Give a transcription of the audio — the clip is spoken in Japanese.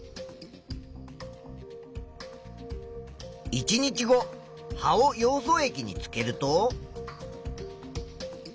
１日後葉をヨウ素液につけると。